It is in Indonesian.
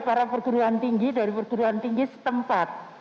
para perguruan tinggi dari perguruan tinggi setempat